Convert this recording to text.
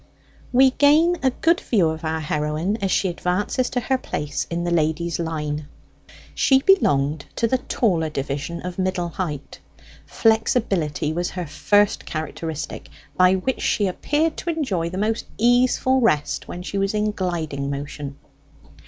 We gain a good view of our heroine as she advances to her place in the ladies' line. She belonged to the taller division of middle height. Flexibility was her first characteristic, by which she appeared to enjoy the most easeful rest when she was in gliding motion.